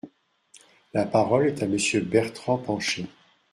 La parole est à Monsieur Bertrand Pancher.